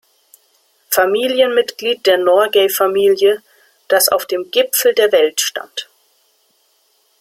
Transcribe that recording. Familienmitglied der Norgay-Familie, das auf dem „Gipfel der Welt“ stand.